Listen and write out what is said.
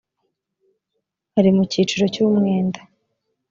arimucyiciro cy’umwenda.